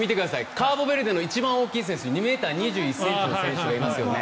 カーボベルデの一番大きい選手２ｍ２１ｃｍの選手がいますよね。